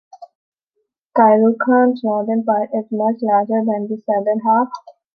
Caloocan's northern part is much larger than its southern half.